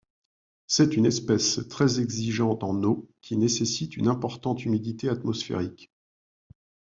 C'est une espèce très exigeante en eau, qui nécessite une importante humidité atmosphérique.